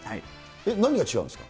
何が違うんですか。